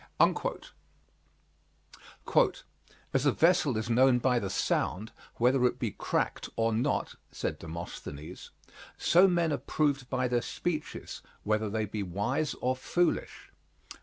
"As a vessel is known by the sound, whether it be cracked or not," said Demosthenes, "so men are proved by their speeches whether they be wise or foolish."